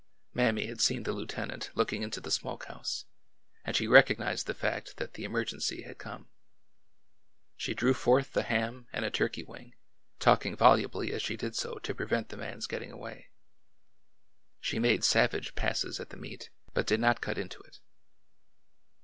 Mammy had se^n the lieutenant looking into the smoke house, and she recognized the fact that the emer gency had come. She drew forth the ham and a turkey wing, talking volubly as she did so to prevent the man's getting away. She made savage passes at the meat, but did not cut into it.